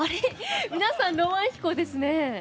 皆さん、「浪漫飛行」ですね。